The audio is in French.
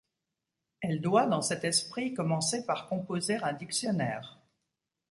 Elle doit dans cet esprit commencer par composer un dictionnaire.